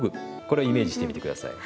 これをイメージしてみて下さい。